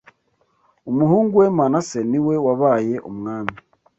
umuhungu we Manase ni we wabaye umwami